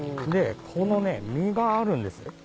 この実があるんですよ。